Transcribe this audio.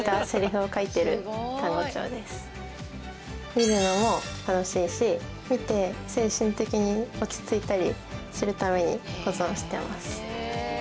見るのも楽しいし見て精神的に落ち着いたりするために保存してます。